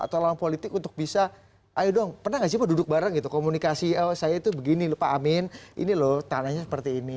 atau lawan politik untuk bisa ayo dong pernah gak sih pak duduk bareng gitu komunikasi saya itu begini lho pak amin ini loh tanahnya seperti ini